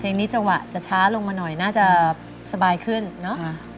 เพลงนี้จังหวะจะช้าลงมาหน่อยน่าจะสบายขึ้นเนอะ